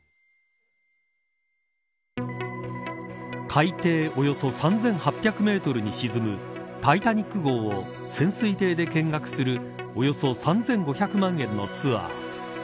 海底およそ３８００メートルに沈むタイタニック号を潜水艇で見学するおよそ３５００万円のツアー。